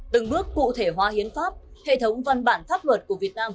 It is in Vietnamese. từng bước cụ thể hóa hiến pháp hệ thống văn bản pháp luật của việt nam